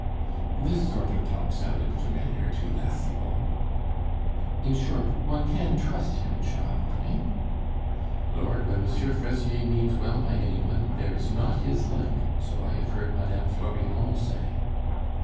This sort of talk sounded familiar to La Cibot. "In short, one can trust him, child, eh?" "Lord! when M. Fraisier means well by any one, there is not his like, so I have heard Mme. Florimond say."